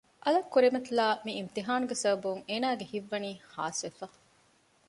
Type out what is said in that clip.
އަލަށް ކުރިމަތިލާ މި އިމްތިހާނުގެ ސަބަބުން އޭނާގެ ހިތްވަނީ ހާސްވެފަ